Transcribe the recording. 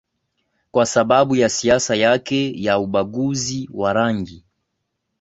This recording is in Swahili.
kwa sababu ya siasa yake ya ubaguzi wa rangi